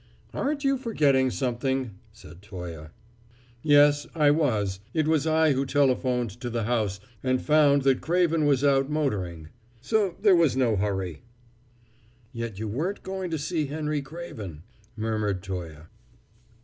"Aren't you forgetting something?" said Toye. "Yes, I was. It was I who telephoned to the house and found that Craven was out motoring; so there was no hurry." "Yet you weren't going to see Henry Craven?" murmured Toye.